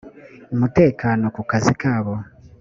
umutekano ku kazi kabo